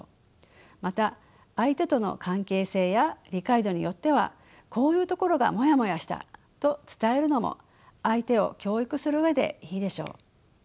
また相手との関係性や理解度によってはこういうところがモヤモヤしたと伝えるのも相手を教育する上でいいでしょう。